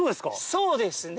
そうですね